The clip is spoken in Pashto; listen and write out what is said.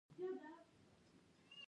دا هغه ادعا ده چې پلویان یې کوي.